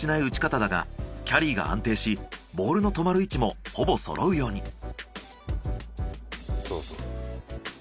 打ち方だがキャリーが安定しボールの止まる位置もほぼそろうように。